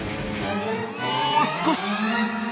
もう少し！